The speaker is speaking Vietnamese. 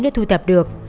đã thu thập được